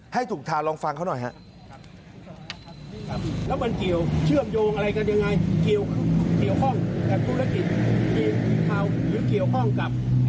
ให้ถูกทางลองฟังเขาหน่อยฮะ